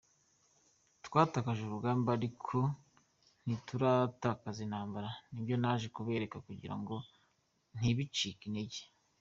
Twatakaje urugamba ariko ntituratakaza intambara, nibyo naje kubereka kugira ngo ntibacike intege.